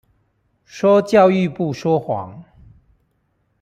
說教育部說謊